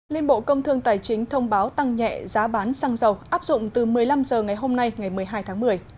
liên bộ công thương tài chính thông báo tăng nhẹ giá bán xăng dầu áp dụng từ một mươi năm h ngày hôm nay ngày một mươi hai tháng một mươi